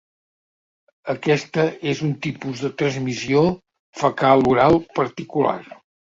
Aquesta és un tipus de transmissió fecal-oral particular.